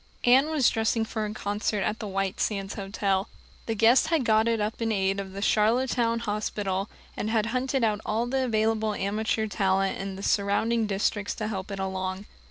Anne was dressing for a concert at the White Sands Hotel. The guests had got it up in aid of the Charlottetown hospital, and had hunted out all the available amateur talent in the surrounding districts to help it along.